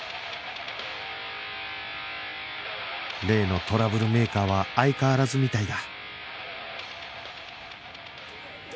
例のトラブルメーカーは相変わらずみたいだ